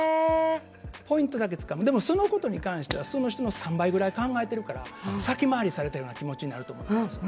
でも、そのことに関してはその人の３倍ぐらい考えてるから先回りされたような気持ちになると思うんです。